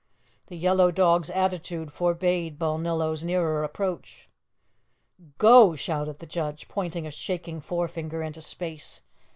The yellow dog's attitude forbade Balnillo's nearer approach. "Go!" shouted the judge, pointing a shaking forefinger into space.